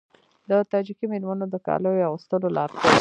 د تاجیکي میرمنو د کالیو اغوستلو لارښود